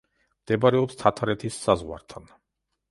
მდებარეობს თათრეთის საზღვართან.